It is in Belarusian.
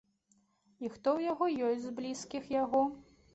І хто ў яго ёсць з блізкіх яго?